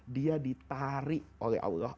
dia ditarik oleh allah